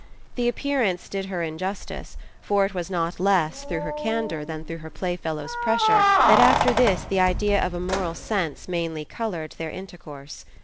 The appearance did her injustice, for it was not less through her candour than through her playfellow's pressure that after this the idea of a moral sense mainly coloured their intercourse.